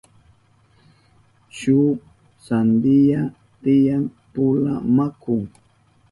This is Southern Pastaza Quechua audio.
Shuk sandiya tiyan pula maku.